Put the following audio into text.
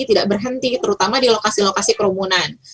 tidak berhenti terutama di lokasi lokasi kerumunan